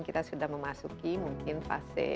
kita sudah memasuki mungkin fase